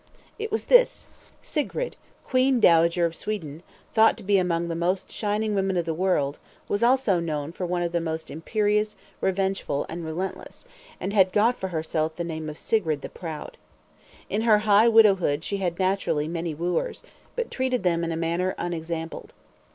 It was this: Sigrid, queen dowager of Sweden, thought to be amongst the most shining women of the world, was also known for one of the most imperious, revengeful, and relentless, and had got for herself the name of Sigrid the Proud. In her high widowhood she had naturally many wooers; but treated them in a manner unexampled.